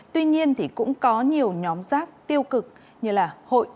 tuy nhiên thì cũng có nhiều nhóm giác tiêu cực như là hội